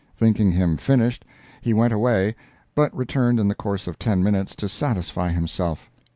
Thinking him "finished," he went away, but returned in the course of ten minutes, to satisfy himself.